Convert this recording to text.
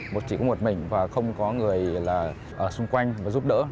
một chị có một mình và không có người là ở xung quanh và giúp đỡ